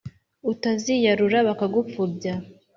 utaziyarura bakagupfubya,